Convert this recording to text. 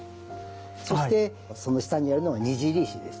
そしてその下にあるのが躙石でしてね。